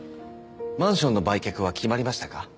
マンションの売却は決まりましたか？